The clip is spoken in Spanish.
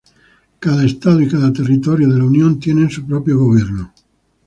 Cada Estado y cada Territorios de la Unión tienen su propio gobierno.